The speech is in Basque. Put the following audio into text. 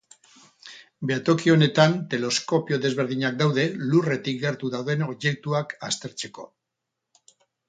Behatoki honetan teleskopio desberdinak daude Lurretik gertu dauden objektuak aztertzeko.